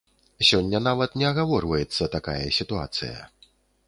Сёння нават не агаворваецца такая сітуацыя.